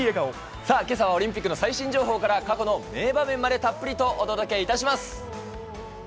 さあ、けさはオリンピックの最新情報から過去の名場面までたっぷりとお届けいたします。